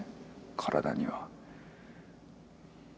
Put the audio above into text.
体には。